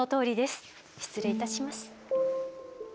失礼いたします。